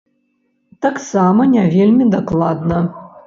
Таксама не вельмі дакладна.